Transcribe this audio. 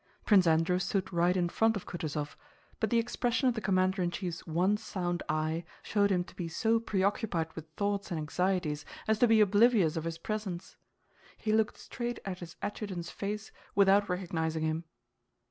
Prince Andrew stood right in front of Kutúzov but the expression of the commander in chief's one sound eye showed him to be so preoccupied with thoughts and anxieties as to be oblivious of his presence. He looked straight at his adjutant's face without recognizing him.